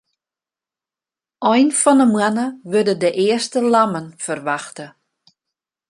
Ein fan 'e moanne wurde de earste lammen ferwachte.